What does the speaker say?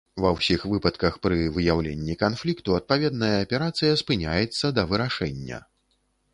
Ва ўсіх выпадках пры выяўленні канфлікту адпаведная аперацыя спыняецца да вырашэння.